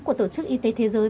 của tổ chức y tế thế giới